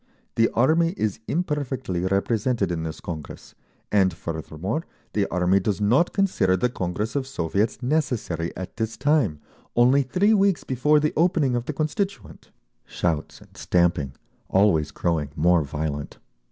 The Army is imperfectly represented in this Congress, and furthermore, the Army does not consider the Congress of Soviets necessary at this time, only three weeks before the opening of the Constituent—" shouts and stamping, always growing more violent.